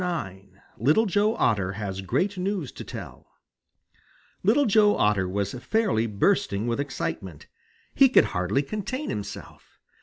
IX LITTLE JOE OTTER HAS GREAT NEWS TO TELL Little Joe Otter was fairly bursting with excitement. He could hardly contain himself.